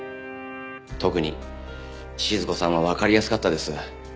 特に静子さんはわかりやすかったです。